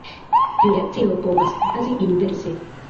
Tiu reakcio povas okazi inverse.